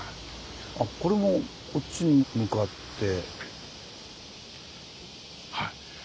あこれもこっちに向かって。